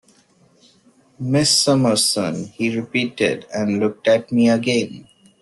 "Miss Summerson," he repeated, and looked at me again.